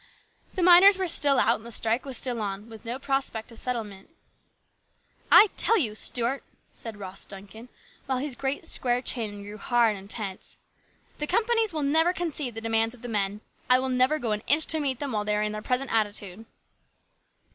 The miners were still out and the strike was still on, with no prospect of settlement. " I tell you, Stuart," said Ross Duncan, while his great square chin grew hard and tense, "the com panies will never concede the demands of the men ! I will never go an inch to meet them while they are in their present attitude."